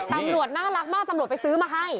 ตำรวจน่ารักมากตำรวจไปซื้อมาให้